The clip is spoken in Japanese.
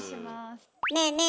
ねえねえ